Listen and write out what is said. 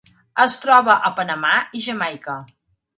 Es troba a Panamà i Jamaica.